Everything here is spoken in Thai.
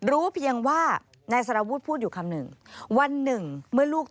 รู้เพียงว่านายสารวุฒิพูดอยู่คำหนึ่งวันหนึ่งเมื่อลูก